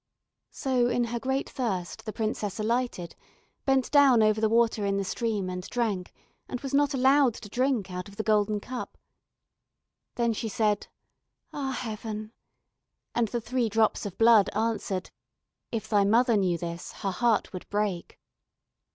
So in her great thirst the princess alighted, bent down over the water in the stream and drank, and was not allowed to drink out of the golden cup. Then she said, "Ah, Heaven!" and the three drops of blood answered: "If thy mother knew this, her heart would break."